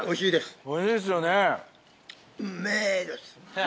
おいしいですよね。